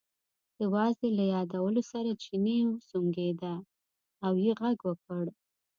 د وازدې له یادولو سره چیني وسونګېده او یې غږ وکړ.